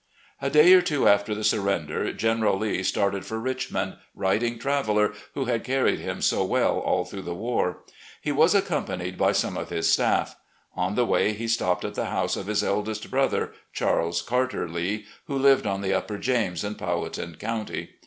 A day or two after the surrender, General Lee started for Richmond, riding Traveller, who had carried him so well all through the war. He was accompanied by some of his staff. On the way, he stopped at the hovise of his eldest brother, Charles Carter Lee, who lived on the Upper James in Powhatan County.